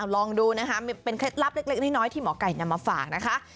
ลองดูนะคะเป็นเคล็ดลับเล็กน้อยที่หมอไก่นำมาฝากนะคะ